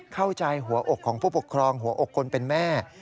เข้าใจหัวอกของผู้ปกครองหัวอกคนเป็นแม่